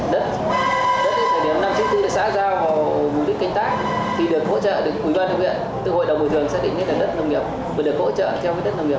đất đất đến thời điểm năm một nghìn chín trăm chín mươi bốn đã xã giao